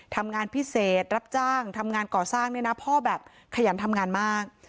ทำงานพิเศษรับจ้างทำงานก่อสร้างเนี่ยนะพ่อแบบขยันทำงานมาก